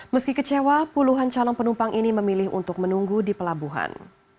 meski kecewa puluhan calon penumpang ini memilih untuk menunggu di pelabuhan